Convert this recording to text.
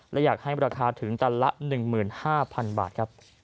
และอยากให้ราคาถึงตันละ๑๕๐๐๐บาทครับ